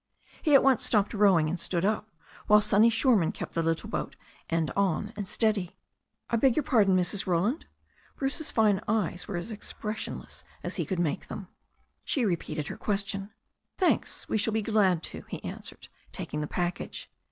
He at once stopped rowing and stood up, while Sonny Shoreman kept the little boat end on and steady. "I beg your pardon, Mrs. Roland." Bruce's fine eyes were as expressionless as he could make them. She repeated her question. ^Thanks, we shall be glad to," he answered, taking the package.